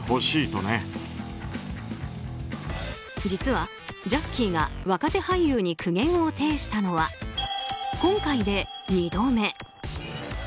実はジャッキーが若手俳優に苦言を呈したのは今回で２度目。